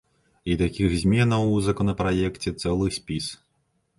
І такіх зменаў ў законапраекце цэлы спіс.